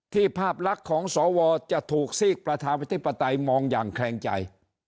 ภาพลักษณ์ของสวจะถูกซีกประชาธิปไตยมองอย่างแคลงใจ